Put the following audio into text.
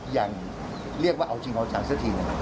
อย่างเรียกว่าเอาจริงเอาจังสักทีนะครับ